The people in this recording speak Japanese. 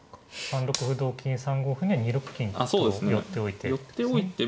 ３六歩同金３五歩には２六金と寄っておいて。